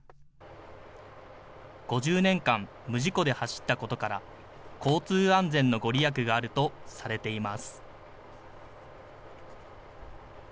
５０年間、無事故で走ったことから、交通安全の御利益があるとされています。